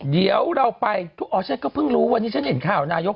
เดี๋ยวเราไปทุกออเชฟก็เพิ่งรู้วันนี้ฉันเห็นข่าวนายก